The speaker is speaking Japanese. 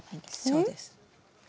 そうです。